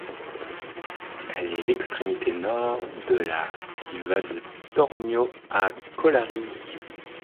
Elle est l'extrémité nord de la qui va de Tornio à Kolari.